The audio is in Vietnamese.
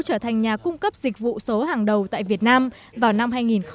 trở thành nhà cung cấp dịch vụ số hàng đầu tại việt nam vào năm hai nghìn ba mươi